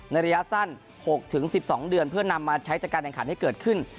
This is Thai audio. ระยะสั้น๖๑๒เดือนเพื่อนำมาใช้จากการแข่งขันให้เกิดขึ้น